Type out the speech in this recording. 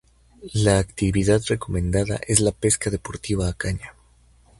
La actividad recomendada es la pesca deportiva a caña